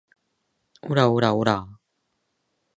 オラオラオラァ